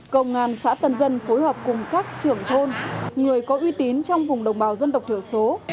công an xã tân dân phối hợp cùng các trưởng thôn người có uy tín trong vùng đồng bào dân tộc thiểu số